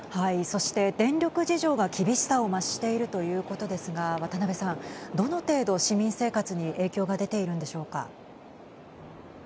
そして電力事情が厳しさを増しているということですが渡辺さん、どの程度、市民生活に影響が出ているんでしょうか。